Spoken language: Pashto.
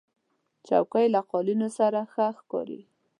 چوکۍ له قالینو سره ښه ښکاري.